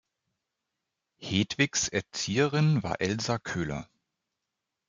Hedwigs Erzieherin war Elsa Köhler.